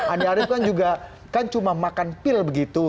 andi arief kan juga kan cuma makan pil begitu